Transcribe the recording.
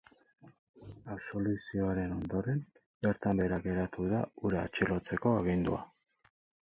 Absoluzioaren ondoren, bertan behera geratu da hura atxilotzeko agindua.